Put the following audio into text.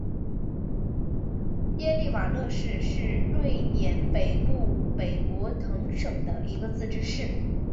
耶利瓦勒市是瑞典北部北博滕省的一个自治市。